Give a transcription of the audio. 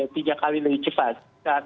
tiga kali lebih cepat